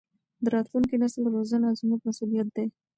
د راتلونکي نسل روزنه زموږ مسؤلیت دی.